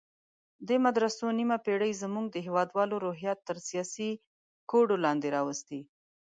دې مدرسو نیمه پېړۍ زموږ د هېوادوالو روحیات تر سیاسي کوډو لاندې راوستي.